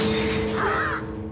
あっ！